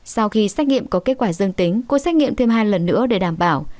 sau khi xét nghiệm có kết quả dương tính cô xét nghiệm thêm hai lần nữa để đảm bảo